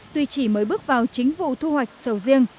tuy chỉ mới bước vào chính vụ thu hoạch sầu riêng